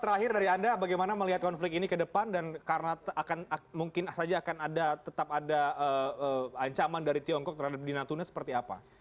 terakhir dari anda bagaimana melihat konflik ini ke depan dan karena akan mungkin saja akan tetap ada ancaman dari tiongkok terhadap di natuna seperti apa